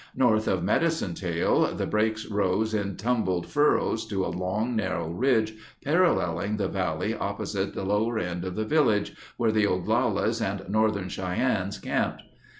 North of Medicine Tail the breaks rose in tumbled furrows to a long narrow ridge paralleling the valley opposite the lower end of the village, where the Oglalas and Northern Cheyennes camped.